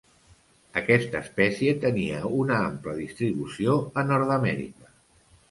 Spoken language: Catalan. Aquesta espècie tenia una ampla distribució a Nord-amèrica.